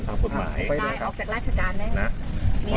ไม่ต่อว่าอะไรครับ